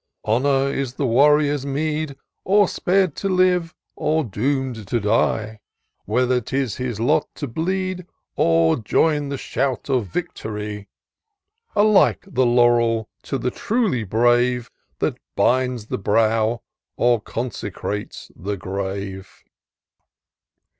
Honour is the warrior's meed, Or spar'd to live, or doom'd to die ; Whether it is his lot to bleed. Or join the shout of victory ; Alike the laurel to the truly brave, That binds the brow, or consecrates the grave.